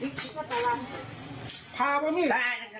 ปิดเครื่องใหญ่ซะปิดเครื่องใหญ่ซะ